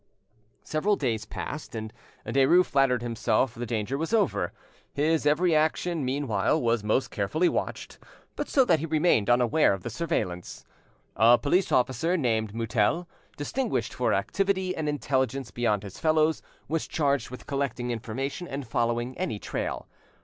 Several days passed, and Derues flattered him self the danger was over: his every action mean while was most carefully watched, but so that he remained unaware of the surveillance. A police officer named Mutel, distinguished for activity and intelligence beyond his fellows, was charged with collecting information and following any trail.